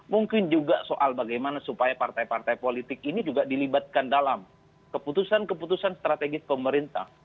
mungkin juga soal bagaimana supaya partai partai politik ini juga dilibatkan dalam keputusan keputusan strategis pemerintah